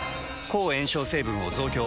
抗炎症成分を増強。